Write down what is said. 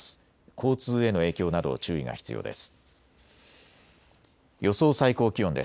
交通への影響など注意が必要です。